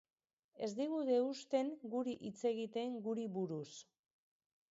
Ez digute uzten guri hitz egiten guri buruz.